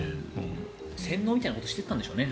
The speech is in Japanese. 洗脳みたいなことをしていたんでしょうね。